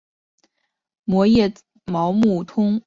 膜叶毛木通为毛茛科铁线莲属下的一个变种。